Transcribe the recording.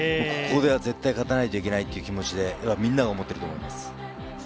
ここでは絶対勝たないといけないという気持ちで、みんなが思っていると思います。